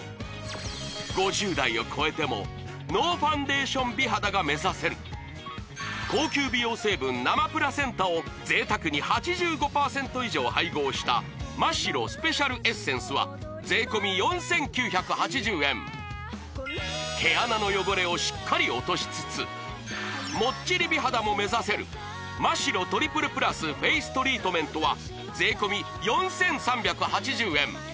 ５０代を超えてもノーファンデーション美肌が目指せる高級美容成分生プラセンタを贅沢に８５％以上配合したマ・シロスペシャルエッセンスは税込４９８０円毛穴の汚れをしっかり落としつつもっちり美肌も目指せるマ・シロトリプルプラスフェイストリートメントは税込４３８０円